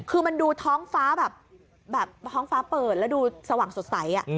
คือมันดูท้องฟ้าแบบท้องฟ้าเปิดแล้วดูสว่างสดใส